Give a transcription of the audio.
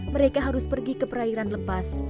mereka harus pergi ke perairan lepas